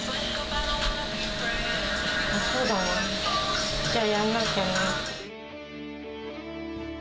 そうだな、じゃあ、やんなきゃなって。